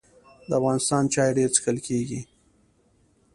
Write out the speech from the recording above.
د افغانستان چای ډیر څښل کیږي